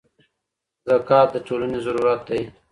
زکات د ټولني ضرورت دی.